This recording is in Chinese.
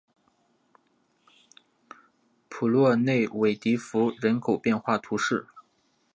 普洛内韦迪福人口变化图示